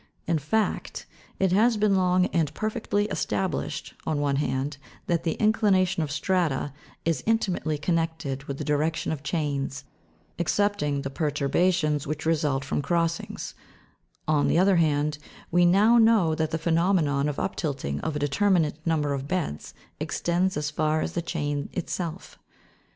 In fact, it has been long and perfectly established, on one hand, that the inclination of strata is intimately connected with the direction of chains, excepting the perturba tions which result from crossings ; on the other hand, we now know that the phenomenon of uptilting of a determinate number of beds extends as far as the chain itself.